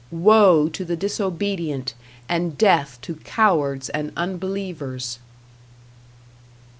Woe to the disobedient and death to cowards and unbelievers.